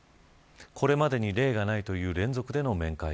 これまでに例がない連続での面会。